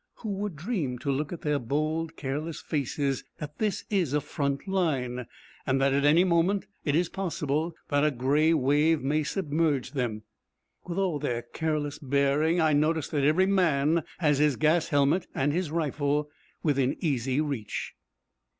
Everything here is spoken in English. Who would dream to look at their bold, careless faces that this is a front line, and that at any moment it is possible that a grey wave may submerge them? With all their careless bearing I notice that every man has his gas helmet and his rifle within easy reach.